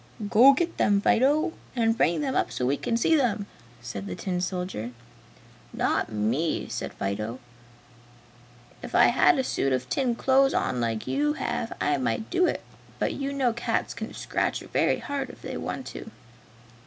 "Go get them, Fido, and bring them up so we can see them!" said the tin soldier. "Not me!" said Fido, "If I had a suit of tin clothes on like you have I might do it, but you know cats can scratch very hard if they want to!"